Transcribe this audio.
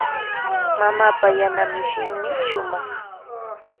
Mamaapa yana mishinmi shumaq.